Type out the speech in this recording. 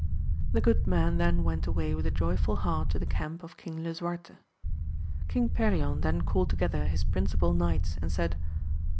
The good man then went away with a joyful heart to the camp of King Lisuarte. King Perion then called together his principal knights, and said.